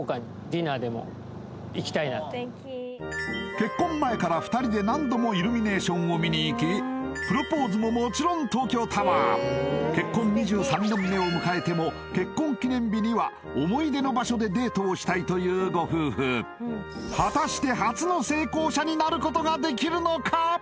結婚前から２人で何度もイルミネーションを見に行きもちろん結婚２３年目を迎えても結婚記念日には思い出の場所でデートをしたいというご夫婦果たして初の成功者になることができるのか？